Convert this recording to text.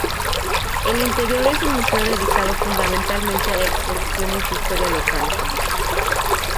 El interior es un museo dedicado fundamentalmente a exposiciones de historia local.